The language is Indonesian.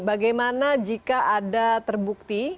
bagaimana jika ada terbukti